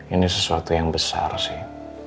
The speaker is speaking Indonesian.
ini sesuatu yang besar sih